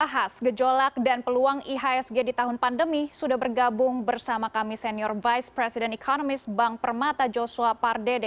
bahas gejolak dan peluang ihsg di tahun pandemi sudah bergabung bersama kami senior vice president economist bank permata joshua pardede